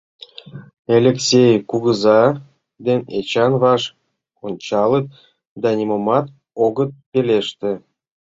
Элексей кугыза ден Эчан ваш ончалыт да нимомат огыт пелеште...